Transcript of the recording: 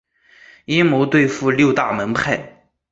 阴谋对付六大门派。